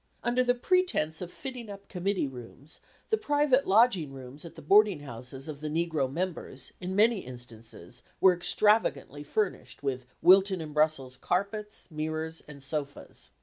Under the pretence of fitting up committee rooms, the private lodging rooms at the boarding houses of the negro members, in many instances, were extravagantly furnished with Wilton and Brussels carpets, mirrors, and sofas.